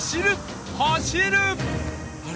あれ？